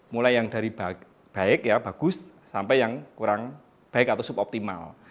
mulai yang dari baik bagus sampai yang kurang baik atau suboptimal